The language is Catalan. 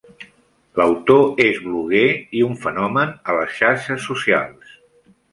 L'autor és bloguer i un fenomen a les xarxes socials.